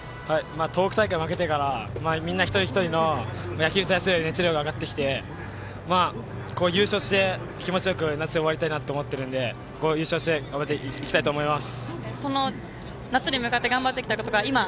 東北大会終えてから一人一人の熱量が変わってきて優勝して気持ちよく夏を終わりたいと思っているので、優勝に向けて頑張っていきたいと思います。